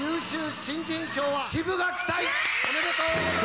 おめでとうございます！